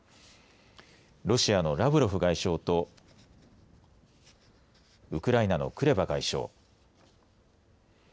ロシアのラブロフ外相とウクライナのクレバ外相。